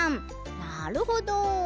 なるほど。